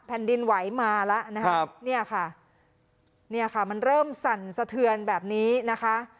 แผ่นดินไหวมาแล้วนะครับเนี่ยค่ะเนี่ยค่ะมันเริ่มสั่นสะเทือนแบบนี้นะคะ